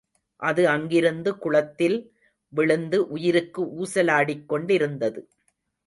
அது அங்கிருந்து குளத்தில் விழுந்து உயிருக்கு ஊசலாடிக் கொண்டிருந்தது.